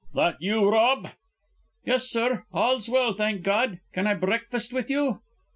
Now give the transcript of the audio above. "That you, Rob?" "Yes, sir. All's well, thank God! Can I breakfast with you?"